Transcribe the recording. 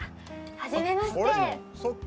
はじめまして！